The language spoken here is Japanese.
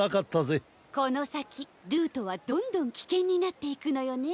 このさきルートはどんどんきけんになっていくのよね。